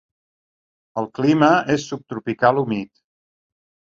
El clima és subtropical humit.